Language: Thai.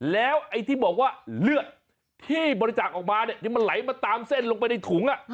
แล้วไอ้ที่บอกว่าเลือดที่บริจาคออกมาเนี่ยที่มันไหลมาตามเส้นลงไปในถุง